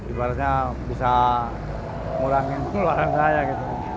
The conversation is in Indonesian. ibaratnya bisa ngurangin pengeluaran saya gitu